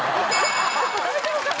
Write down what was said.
ちょっと大丈夫かな？